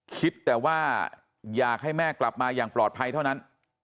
คิดแต่ว่าอยากให้แม่กลับมาอย่างปลอดภัยเท่านั้น